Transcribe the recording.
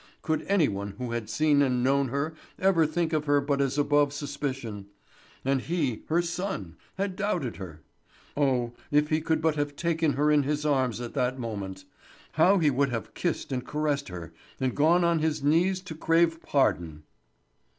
Could any one who had seen and known her ever think of her but as above suspicion? And he, her son, had doubted her! Oh, if he could but have taken her in his arms at that moment, how he would have kissed and caressed her, and gone on his knees to crave pardon.